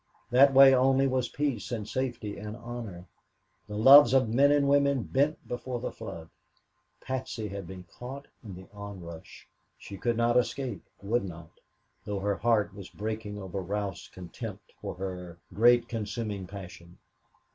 That way only was peace and safety and honor. The loves of men and women bent before the flood. Patsy had been caught in the onrush. She could not escape would not, though her heart was breaking over Ralph's contempt for her great, consuming passion.